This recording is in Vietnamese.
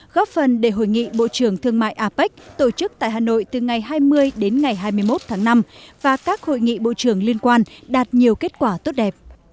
góp phần để hội nghị bộ trưởng thương mại apec tổ chức tại hà nội từ ngày hai mươi đến ngày hai mươi một tháng năm và các hội nghị bộ trưởng liên quan đạt nhiều kết quả tốt đẹp